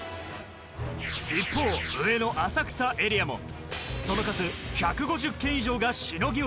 一方上野・浅草エリアもその数１５０軒以上がしのぎを削る